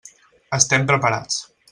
Estem preparats.